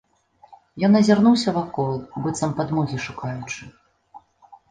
Ён азірнуўся вакол, быццам падмогі шукаючы.